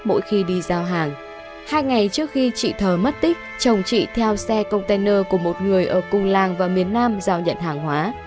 mỗi khi đi giao hàng hai ngày trước khi chị thờ mất tích chồng chị theo xe container của một người ở cùng làng và miền nam giao nhận hàng hóa